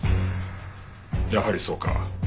やはりそうか。